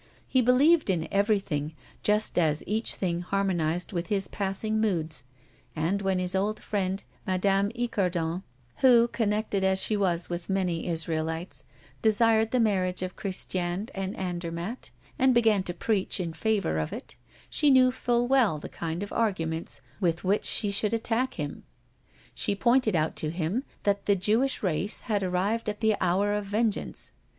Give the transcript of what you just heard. He believed in everything, just as each thing harmonized with his passing moods; and, when his old friend, Madame Icardon, who, connected as she was with many Israelites, desired the marriage of Christiane and Andermatt, and began to preach in favor of it, she knew full well the kind of arguments with which she should attack him. She pointed out to him that the Jewish race had arrived at the hour of vengeance.